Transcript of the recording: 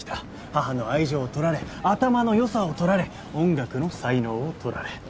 母の愛情を取られ頭の良さを取られ音楽の才能を取られ。